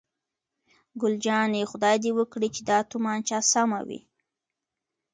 ګل جانې: خدای دې وکړي چې دا تومانچه سمه وي.